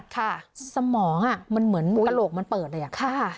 ค่ะสมองอะมันเหมือนโอ๊ยกระโลกมันเปิดเลยแย่ค่ะ